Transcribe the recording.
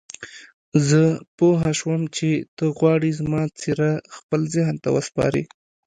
زه پوه شوم چې ته غواړې زما څېره خپل ذهن ته وسپارې.